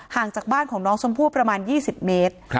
จากบ้านของน้องชมพู่ประมาณ๒๐เมตร